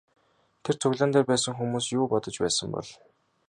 Тэр цуглаан дээр байсан хүмүүс юу бодож байсан бол?